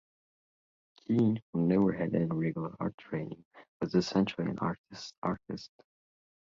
Keene, who never had any regular art training, was essentially an artist's artist.